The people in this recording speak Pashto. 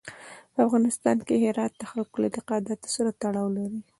په افغانستان کې هرات د خلکو له اعتقاداتو سره تړاو لري.